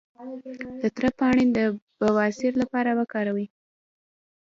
د تره پاڼې د بواسیر لپاره وکاروئ